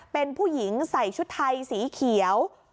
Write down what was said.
เป็นผู้หญิงใส่ชุดไทยสีเขียว